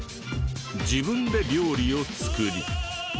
自分で料理を作り。